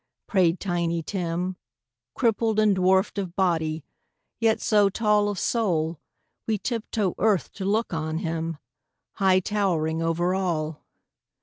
" prayed Tiny Tim, Crippled, and dwarfed of body, yet so tall Of soul, we tiptoe earth to look on him, High towering over all.